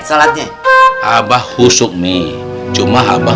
salatnya abah husuk nih cuma abah